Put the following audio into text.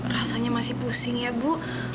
rasanya masih pusing ya bu